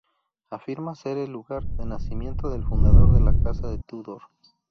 Afirma ser el lugar de nacimiento del fundador de la Casa de Tudor.